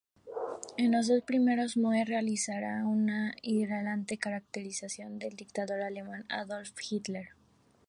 En los dos primeros, Moe realizaría una hilarante caracterización del dictador alemán Adolf Hitler.